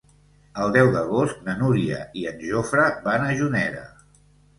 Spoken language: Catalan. El deu d'agost na Núria i en Jofre van a Juneda.